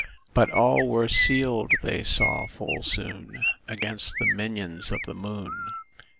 But all were sealed, they saw full soon, Against the minions of the moon.